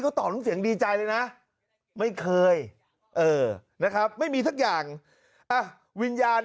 ก็ตอบทุกเสียงดีใจเลยนะไม่เคยเออนะครับไม่มีสักอย่างอ่ะวิญญาณ